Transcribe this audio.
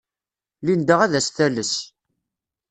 Linda ad as-tales.